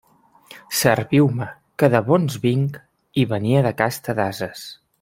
Serviu-me, que de bons vinc; i venia de casta d'ases.